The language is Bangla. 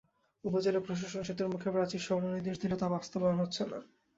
উপজেলা প্রশাসন সেতুর মুখে প্রাচীর সরানোর নির্দেশ দিলেও তা বাস্তবায়ন হচ্ছে না।